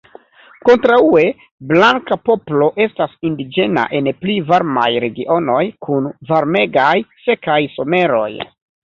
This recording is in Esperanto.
Kontraŭe, blanka poplo estas indiĝena en pli varmaj regionoj, kun varmegaj, sekaj someroj.